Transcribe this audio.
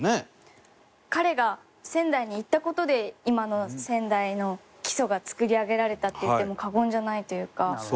彼が仙台に行った事で今の仙台の基礎が作り上げられたって言っても過言じゃないというか。